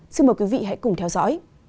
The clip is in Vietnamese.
xin mời quý vị hãy cùng theo dõi